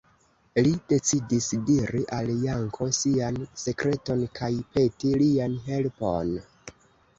Li decidis diri al Janko sian sekreton kaj peti lian helpon.